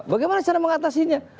bagaimana cara mengatasinya